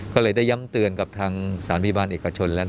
ก็เลยได้ย้ำเตือนกับทางสถานพยาบาลเอกชนแล้ว